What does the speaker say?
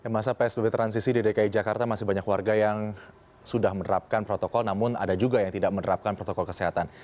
masa psbb transisi di dki jakarta masih banyak warga yang sudah menerapkan protokol namun ada juga yang tidak menerapkan protokol kesehatan